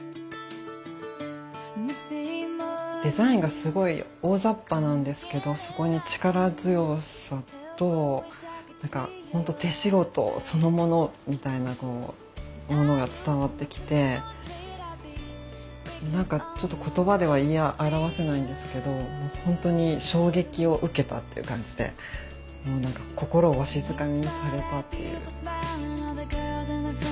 デザインがすごい大ざっぱなんですけどそこに力強さとなんかほんと手仕事そのものみたいなこうものが伝わってきてなんかちょっと言葉では言い表せないんですけどもう本当に衝撃を受けたっていう感じでもう何か心をわしづかみにされたっていう。